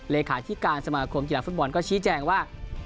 เลขาธิการสมาคมกีฬาฟุตบอลก็ชี้แจงว่า